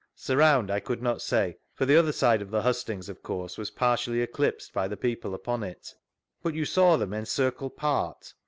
— Surroand I could not say, for the other side of the hustings, of' course, was partially eclipsed by the people upon it. But you saw them encircle part